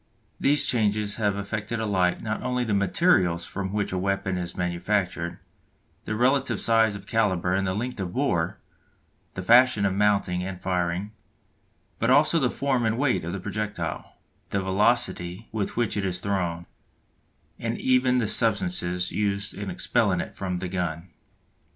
These changes have affected alike not only the materials from which a weapon is manufactured, the relative size of calibre and length of bore, the fashion of mounting and firing, but also the form and weight of the projectile, the velocity with which it is thrown, and even the substances used in expelling it from the gun.